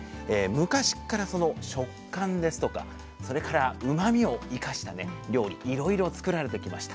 昔からその食感ですとかそれからうまみを生かした料理いろいろ作られてきました。